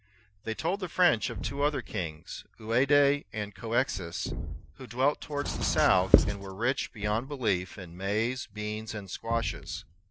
They told the French of two other kings, Ouade and Couexis, who dwelt towards the south, and were rich beyond belief in maize, beans, and squashes.